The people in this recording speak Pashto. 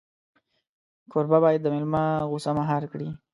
کوربه باید د مېلمه غوسه مهار کړي.